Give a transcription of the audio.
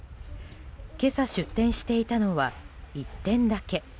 今朝、出店していたのは１店だけ。